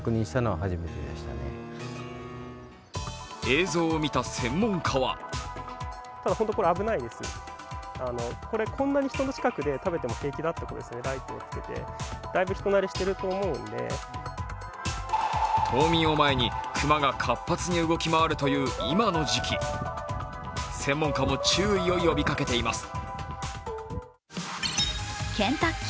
映像を見た専門家は冬眠を前に熊が活発に動き回るという今の時期、専門家も注意を呼びかけています。